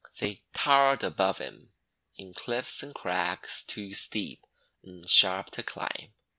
They towered above him in cliffs and crags too steep and sharp to climb.